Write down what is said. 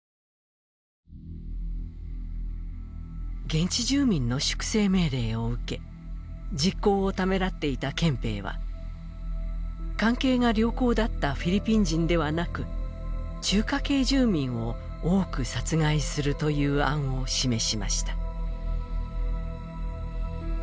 現地住民の粛正命令を受け実行をためらっていた憲兵は関係が良好だったフィリピン人ではなく中華系住民を多く殺害するという案を示しました。